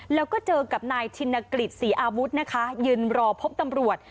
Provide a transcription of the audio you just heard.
แล้วก็เจอกับนายชินกฤษศรีอาวุธนะคะยืนรอพบตำรวจ